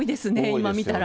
今、見たら。